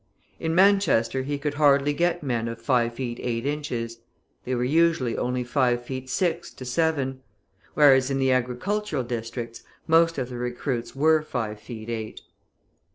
In Manchester he could hardly get men of five feet eight inches; they were usually only five feet six to seven, whereas in the agricultural districts, most of the recruits were five feet eight.